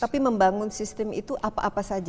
tapi membangun sistem itu apa apa saja